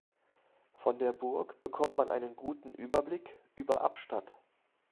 Von der Burg bekommt man einen guten Überblick über Abstatt.